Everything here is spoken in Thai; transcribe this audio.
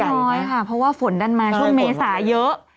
น้อยค่ะเพราะว่าฝนดันมาช่วงเมษาเยอะ